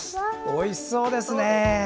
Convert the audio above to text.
おいしそうですね！